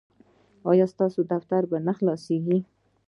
ایا ستاسو دفتر به نه خلاصیږي؟